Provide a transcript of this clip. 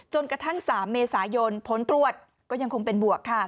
จนกระทั่ง๓เมษายนผลตรวจก็ยังคงเป็นบวกค่ะ